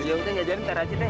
udah gak jadi nanti rancit deh